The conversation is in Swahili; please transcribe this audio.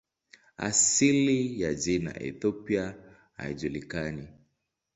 Asili ya jina "Ethiopia" haijulikani.